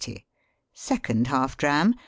Second half dram, 7.